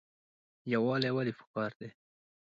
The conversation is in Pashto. یووالی ولې پکار دی؟